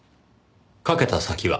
かけた先は？